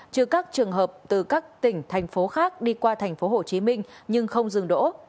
trừ các trường hợp từ các tỉnh thành phố khác đi qua tp hcm nhưng không dừng đỗ